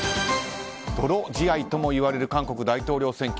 泥仕合ともいわれる韓国大統領選挙。